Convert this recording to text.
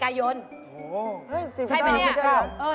เฮ้ย๑๙ใช่ไหมนี่๑๙